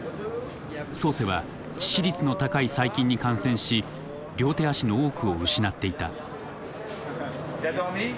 ソーセは致死率の高い細菌に感染し両手足の多くを失っていた。